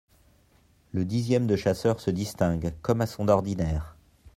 Le dixième de chasseurs se distingue comme à son ordinaire.